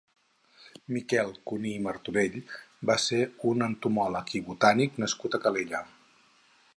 Miquel Cuní i Martorell va ser un entomòleg i botànic nascut a Calella.